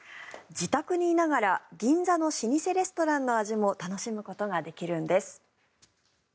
自宅にいながら銀座の老舗レストランの味も楽しむことができるんです。